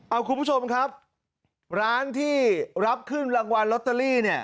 เอาคุณผู้ชมครับร้านที่รับขึ้นรางวัลลอตเตอรี่เนี่ย